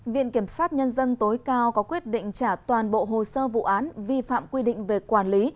viện kiểm sát nhân dân tối cao có quyết định trả toàn bộ hồ sơ vụ án vi phạm quy định về quản lý